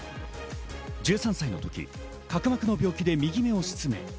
１３歳の時、角膜の病気で右目を失明。